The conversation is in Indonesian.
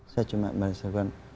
saya cuma berharap